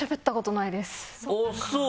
あっそう？